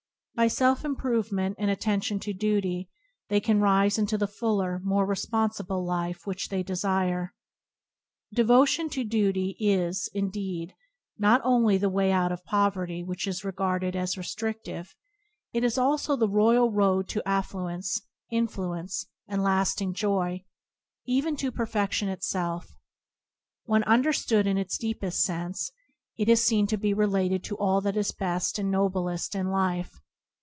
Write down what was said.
By self improve ment and attention to duty, they can rise into the fuller, more responsible life which they desire. Devotion to duty is, indeed, not only the way out of that poverty which is regarded TBoDp anD Circumstance as restri&ive, it is also the royal road to af fluence, influence, and lasting joy, yea, even to perfection itself. When understood in its deepest sense it is seen to be related to all that is best and noblest in life.